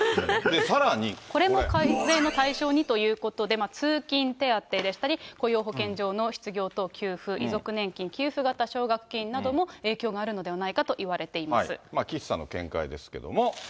これも課税の対象にということで、通勤手当でしたり、雇用保険上の失業等給付、遺族年金給付型奨学金なども影響があるのではないかといわれてい岸さんの見解ですけども。